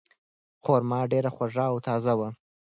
خورما ډیره خوږه او تازه وه.